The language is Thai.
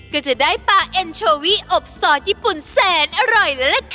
ก็จะได้ปลาเอ็นโชวี่อบซอสญี่ปุ่นแสนอร่อยแล้วล่ะค่ะ